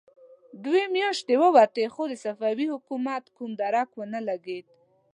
دوې مياشتې ووتې، خو د صفوي حکومت کوم درک ونه لګېد.